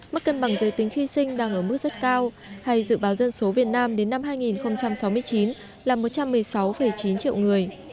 mức cân bằng giới tính khi sinh đang ở mức rất cao hay dự báo dân số việt nam đến năm hai nghìn sáu mươi chín là một trăm một mươi sáu chín triệu người